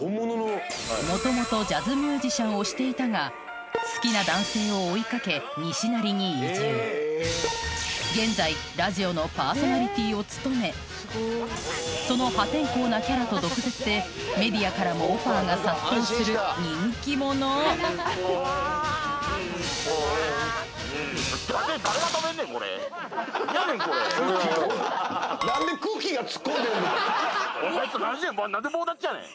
もともとジャズミュージシャンをしていたが移住現在ラジオのパーソナリティを務めその破天荒なキャラと毒舌でメディアからもオファーが殺到する人気者何やねんこれ！お前ちょっと何してんねん